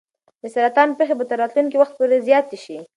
د سرطان پېښې به تر راتلونکي وخت پورې زیاتې شي.